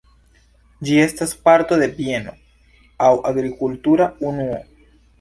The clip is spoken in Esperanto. Ĝi estas parto de bieno aŭ agrikultura unuo.